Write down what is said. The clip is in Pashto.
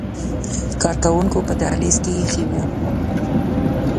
کارکوونکو په دهلیز کې ایښي وو.